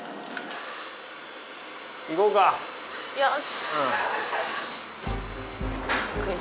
よし！